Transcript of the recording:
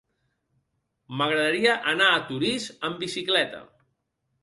M'agradaria anar a Torís amb bicicleta.